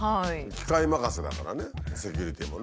機械任せだからねセキュリティーもね。